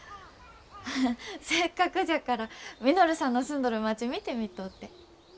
ハハッせっかくじゃから稔さんの住んどる町見てみとうて。